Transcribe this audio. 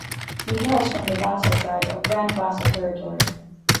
He hails from the Bassa Tribe of Grand Bassa territory.